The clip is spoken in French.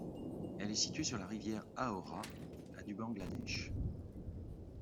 Elle est située sur la rivière Haora, à du Bangladesh.